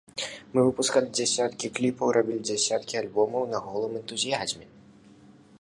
Мы выпускалі дзясяткі кліпаў і рабілі дзесяткі альбомаў на голым энтузіязме.